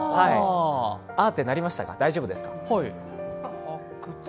あってなりましたか、大丈夫ですか？